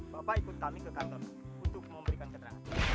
bapak ikut kami ke kantor untuk memberikan keterangan